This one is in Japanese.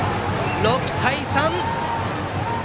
６対３。